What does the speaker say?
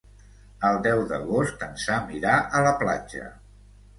El deu d'agost en Sam irà a la platja.